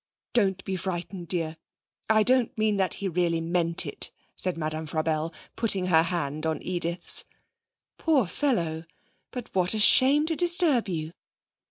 Don't be frightened, dear. I don't mean that he really meant it,' said Madame Frabelle, putting her hand on Edith's. 'Poor fellow! But what a shame to disturb you.'